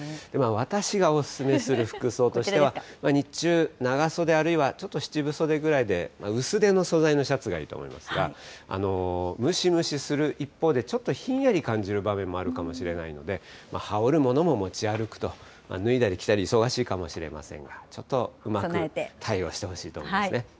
私がお勧めする服装としては日中、長袖あるいはちょっと七分袖ぐらいで、薄手の素材のシャツがいいと思いますが、ムシムシする一方で、ちょっとひんやり感じる場面もあるかもしれないので、羽織るものも持ち歩くと、脱いだり着たり忙しいかもしれませんが、ちょっとうまく対応してほしいと思いますね。